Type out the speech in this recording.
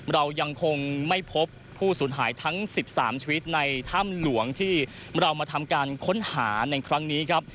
เรายังคงไม่พบผู้สูญหายทั้ง๑๓ชีวิตในถ้ำหลวงที่เรามาทำการค้นหาในครั้งนี้ครับ